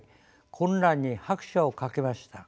混乱に拍車をかけました。